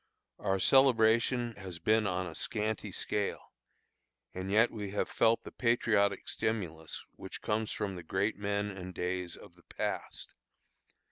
Our celebration has been on a scanty scale, and yet we have felt the patriotic stimulus which comes from the great men and days of the past.